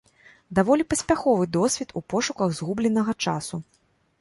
Даволі паспяховы досвед у пошуках згубленага часу.